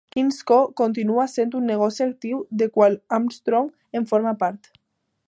Kingsco continua sent un negoci actiu del qual Armstrong en forma part.